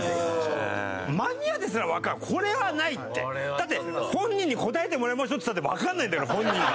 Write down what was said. だって「本人に答えてもらいましょう」っつったってわかんないんだから本人が。